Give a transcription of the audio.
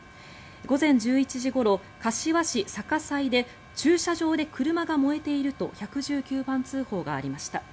午前１１時ごろ、柏市逆井で駐車場で車が燃えていると１１９番通報がありました。